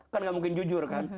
kan gak mungkin jujur kan